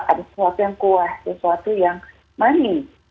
ada sesuatu yang kuah sesuatu yang manis